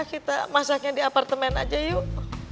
kita masaknya di apartemen aja yuk